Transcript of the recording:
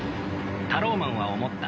タローマンは思った。